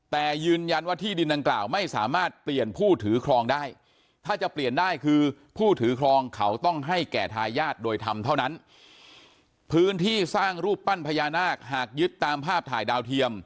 แต่ยืนยันว่าที่ดินดังกล่าวไม่สามารถเปลี่ยนผู้ถือคลองได้